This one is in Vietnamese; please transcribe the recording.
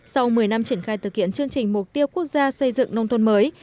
sau một mươi năm triển khai thực hiện chương trình mục tiêu quốc gia xây dựng nông thôn mới